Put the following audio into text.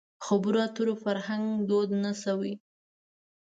خبرو اترو فرهنګ دود نه شوی.